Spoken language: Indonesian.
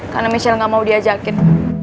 karena michelle gak mau diajakin